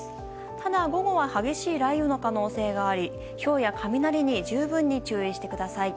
ただ、午後は激しい雷雨の可能性がありひょうや雷に十分に注意してください。